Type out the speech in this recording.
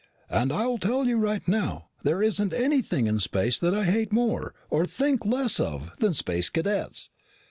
And I'll tell you right now, there isn't anything in space that I hate more, or think less of, than Space Cadets.